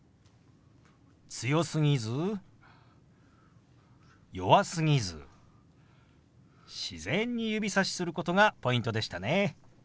強すぎず弱すぎず自然に指さしすることがポイントでしたね。